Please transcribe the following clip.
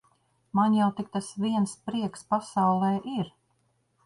Man jau tik tas viens prieks pasaulē ir.